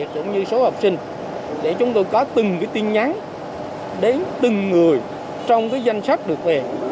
chúng tôi đã yêu cầu các cơ sở giáo viên học sinh để chúng tôi có từng cái tin nhắn đến từng người trong cái danh sách được về